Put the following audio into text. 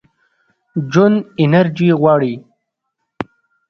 ژوند انرژي غواړي.